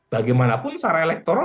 bagaimanapun secara elektoral